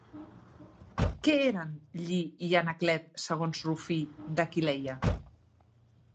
Què eren Lli i Anaclet segons Rufí d'Aquileia?